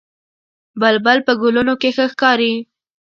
بلبل په ګلونو کې ښه ښکاري